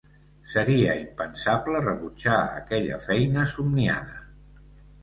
Seria impensable rebutjar aquella feina somniada.